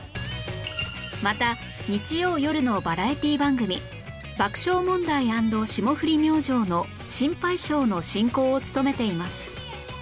また日曜よるのバラエティー番組『爆笑問題＆霜降り明星のシンパイ賞！！』の進行を務めています